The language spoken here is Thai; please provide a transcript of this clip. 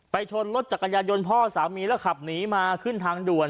ชนรถจักรยานยนต์พ่อสามีแล้วขับหนีมาขึ้นทางด่วน